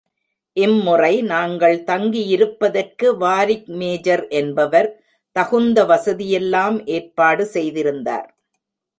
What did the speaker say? இம்முறை நாங்கள் தங்கியிருப்பதற்கு வாரிக்மேஜர் என்பவர் தகுந்த வசதியெல்லாம் ஏற்பாடு செய்திருந்தார்.